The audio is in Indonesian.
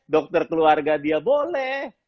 dokter keluarga dia boleh